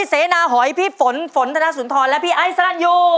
เสนาหอยพี่ฝนฝนธนสุนทรและพี่ไอซันยู